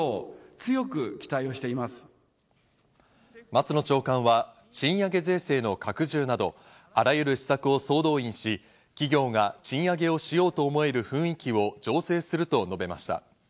松野長官は、賃上げ税制の拡充など、あらゆる施策を総動員し、企業が賃上げをしようと思える雰囲気を醸成すると述べました。